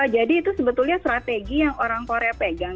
jadi itu sebetulnya strategi yang orang korea pegang